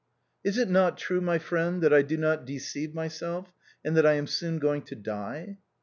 " Is it not true, my friend, that I do not deceive myself and that I am soon going to die